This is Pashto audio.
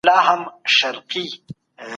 د دلارام د ولسوالۍ مرکز ډېر ښکلی اباد دی.